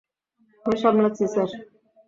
আমি সামলাচ্ছি, স্যার।